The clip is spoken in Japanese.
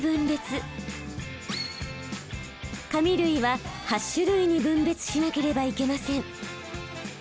紙類は８種類に分別しなければいけません。